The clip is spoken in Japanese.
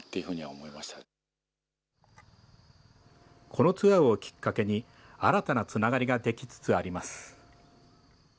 このツアーをきっかけに、新たなつながりが出来つつあります。